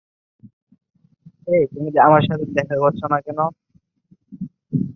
সেনবাগ উপজেলার মধ্যাংশে মোহাম্মদপুর ইউনিয়নের অবস্থান।